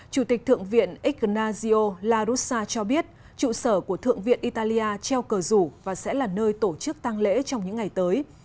chủ tịch thượng viện exgnazio lausa cho biết trụ sở của thượng viện italia treo cờ rủ và sẽ là nơi tổ chức tăng lễ trong những ngày tới